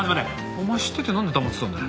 お前知っててなんで黙ってたんだよ。